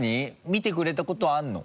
見てくれたことはあるの？